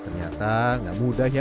ternyata gak mudah ya